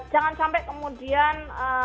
jangan sampai kemudian